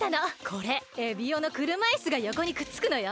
これエビオのくるまいすがよこにくっつくのよ。